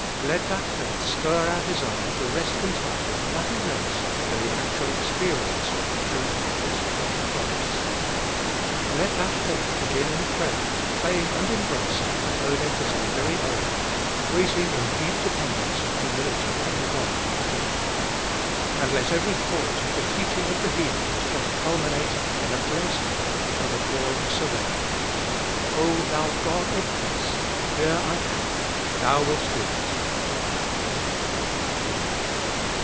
Let that faith stir our desire to rest content with nothing less than the actual experience of the truth of this prayer promise. Let 544 Cbe Iboliest of ail that faith begin in prayer to claim and embrace and own it as our very own, waiting in deep dependence and humility on God to do it. And let every thought of the teaching of the Hebrews just culminate in a blessed act of adoring surrender. O Thou, God of Peace ! here I am, thou wilt do it.